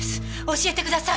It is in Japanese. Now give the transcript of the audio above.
教えてください！